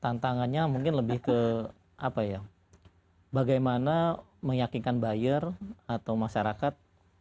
tantangannya mungkin lebih ke apa ya bagaimana meyakinkan buyer atau masyarakat